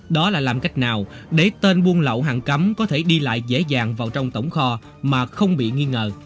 đó là làm cách nào để tên buôn lậu hàng cấm có thể đi lại dễ dàng vào trong tổng kho mà không bị nghi ngờ